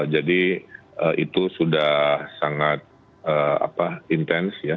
jadi itu sudah sangat intens ya